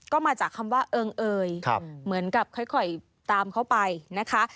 ก็มาจากคำว่าเอิงเอยเหมือนกับค่อยตามเขาไปนะคะ